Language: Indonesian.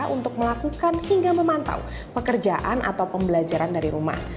untuk melakukan hingga memantau pekerjaan atau pembelajaran dari rumah